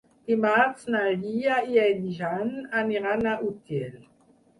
Dimarts na Lia i en Jan aniran a Utiel.